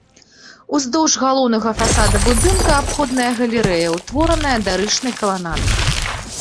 Уздоўж галоўнага фасада будынка абходная галерэя, утвораная дарычнай каланадай.